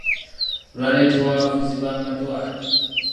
Lwaletebwa bafuzi b’Amatwale.